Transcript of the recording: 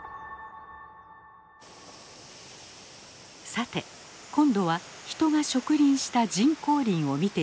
さて今度は人が植林した人工林を見ていきましょう。